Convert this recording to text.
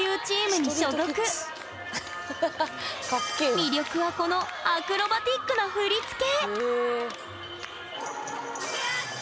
魅力はこのアクロバティックな振り付け！